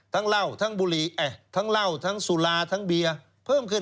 ทั้งเหล้าทั้งบุหรีทั้งเบียร์